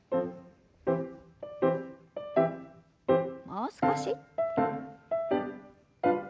もう少し。